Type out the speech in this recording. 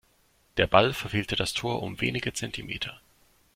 Der Ball verfehlte das Tor um wenige Zentimeter.